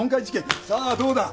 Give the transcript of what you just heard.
さあどうだ？